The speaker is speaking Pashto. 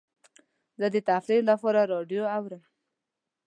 زه د تفریح لپاره راډیو اورم.